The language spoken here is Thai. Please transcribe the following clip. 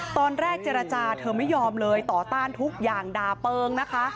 ตอนแรกเจรจาเธอไม่ยอมเลยต่อต้านทุกอย่างด่าเปิงนะคะ